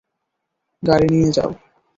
গাড়ি নিয়ে যাও।